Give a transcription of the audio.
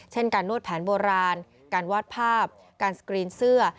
เช่นการนวดแผนโบราณการวาดภาพการสกรีนเสื้อ